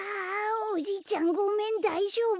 おじいちゃんごめんだいじょうぶ？